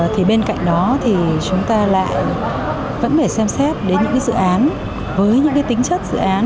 thì bên cạnh đó thì chúng ta lại vẫn phải xem xét đến những dự án với những tính chất dự án